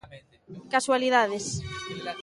Casualidades.